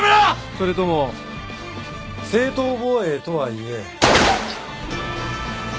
それとも正当防衛とはいえ。